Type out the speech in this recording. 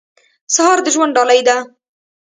سهار د ژوند ډالۍ ده.